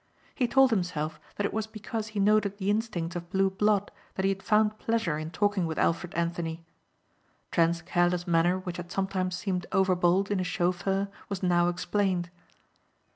He told himself that it was because he noted the instincts of blue blood that he had found pleasure in talking with Alfred Anthony. Trent's careless manner which had sometimes seemed overbold in a chauffeur was now explained.